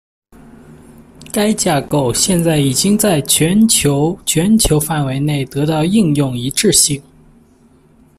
该架构现在已经在全球全球范围内得到应用一致性。